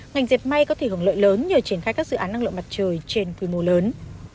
ngành dẹp may có thể hưởng lợi lớn nhờ triển khai các dự án năng lượng mặt trời trên quy mô lớn